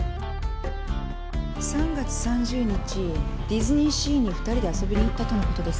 ３月３０日ディズニーシーに２人で遊びに行ったとのことですが？